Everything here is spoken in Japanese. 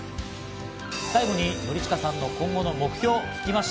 最後に典親さんの今後の目標を聞きました。